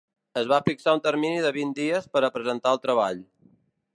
Es va fixar un termini de vint dies per a presentar el treball.